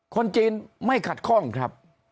คนจีนไม่ขัดข้องครับ